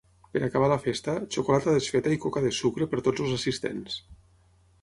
Per acabar la festa, xocolata desfeta i coca de sucre per tots els assistents.